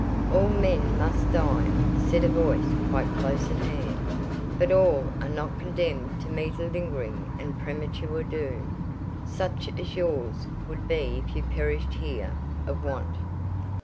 "All men must die," said a voice quite close at hand; "but all are not condemned to meet a lingering and premature doom, such as yours would be if you perished here of want."